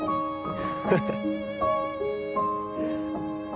ハハハ。